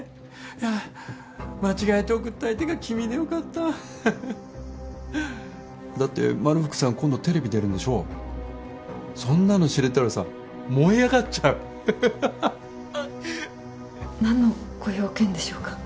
はぁ間違えて送った相手が君で良かだってまるふくさん今度テレビ出るんそんなの知れたらさ燃え上がっちゃう何のご用件でしょうか？